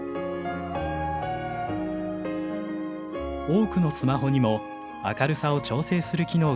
多くのスマホにも明るさを調整する機能がついています。